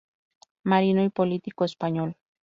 Marino y político español.